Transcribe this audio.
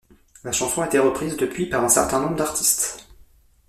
La chanson a été reprise depuis par un certain nombre d'artistes.